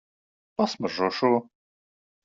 Pasmaržo šo.